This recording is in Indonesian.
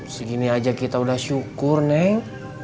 segini aja kita udah syukur neng